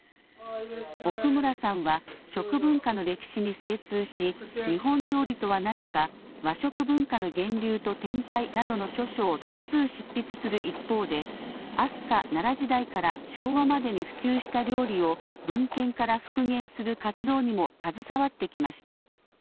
奥村さんは食文化の歴史に精通し日本料理とは何か和食文化の源流と展開などの著書を多数、執筆する一方で飛鳥・奈良時代から昭和までに普及した料理を文献から復元する活動にも携わってきました。